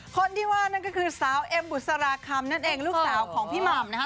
คนที่ว่านั่นก็คือสาวเอ็มบุษราคำนั่นเองลูกสาวของพี่หม่ำนะคะ